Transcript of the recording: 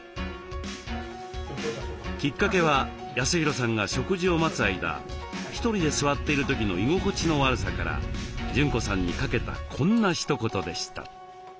きっかけは恭弘さんが食事を待つ間１人で座っている時の居心地の悪さから淳子さんにかけたこんなひと言でした。